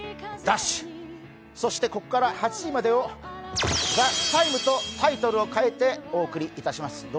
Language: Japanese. そしてここから８時までを「ＴＨＥＴＩＭＥ，」とタイトルを変えてお送りいたします。